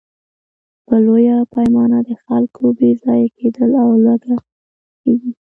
په لویه پیمانه د خلکو بېځایه کېدل او لوږه پېښېږي.